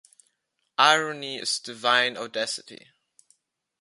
Irony is "divine audacity".